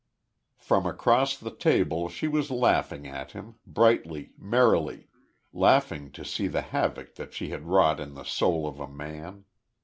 From across the table she was laughing at him, brightly, merrily laughing to see the havoc that she had wrought in the soul of a man.